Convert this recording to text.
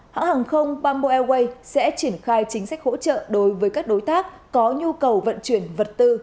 hãng hàng không bamboo airways sẽ triển khai chính sách hỗ trợ đối với các đối tác có nhu cầu vận chuyển vật tư